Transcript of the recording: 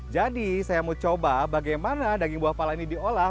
jadi saya mau coba bagaimana daging buah pala ini diolah